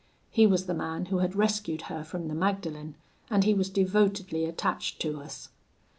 He was the man who had rescued her from the Magdalen, and he was devotedly attached to us.